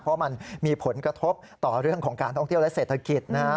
เพราะมันมีผลกระทบต่อเรื่องของการท่องเที่ยวและเศรษฐกิจนะฮะ